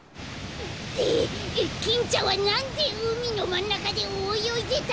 でキンちゃんはなんでうみのまんなかでおよいでたの？